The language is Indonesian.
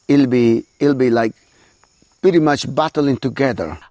itu akan seperti bergabung bersama